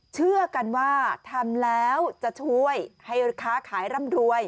เชื่อกันว่าทำแล้วจะช่วยให้ค้าขายร่ำรวย